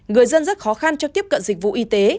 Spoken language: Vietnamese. người dân rất khó khăn cho tiếp cận dịch vụ y tế